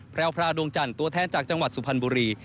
แพรวพราวดวงจันทร์ตัวแทนจากจังหวัดสุพรรณบุรี